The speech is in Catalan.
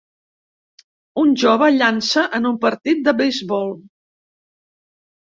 Un jove llança en un partit de beisbol